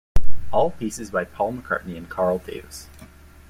All pieces by Paul McCartney and Carl Davis.